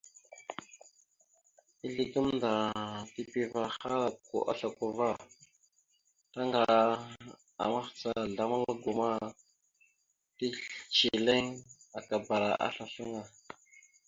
Izle gamnda tipiva ahal a slako ava, taŋga mahəca azlam algo ma, teceliŋ akabara aslasl aŋa.